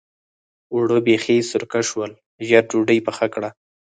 اوړه بېخي سرکه شول؛ ژر ډودۍ پخه کړه.